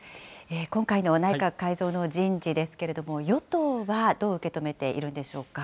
今回の内閣改造の人事ですけれども、与党はどう受け止めているんでしょうか。